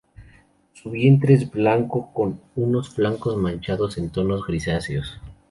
Su vientre es blanco, con sus flancos manchados en tonos grisáceos.